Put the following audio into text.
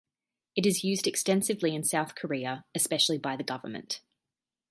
It is used extensively in South Korea, especially by the government.